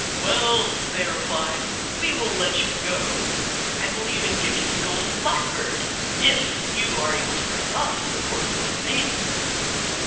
"Well," they replied, "we will let you go, and will even give you the golden blackbird if you are able to bring us the porcelain maiden."